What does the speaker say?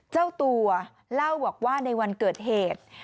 เจ้าตัวเล่าบอกว่าในวันเกิดเหตุ